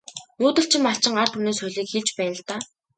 Нүүдэлчин малчин ард түмний соёлыг хэлж байна л даа.